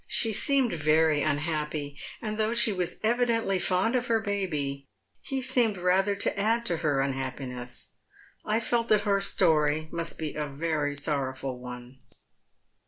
She seemed very unhappy, and though she was evidently fond of her baby, he seemed rather to add to her unlaappiness. I felt that her etoiy must be a very sorrowful one."